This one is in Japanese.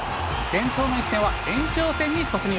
伝統の一戦は延長戦に突入。